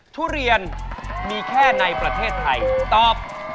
ทุเรียนมีแค่ในประเทศไทยตอบ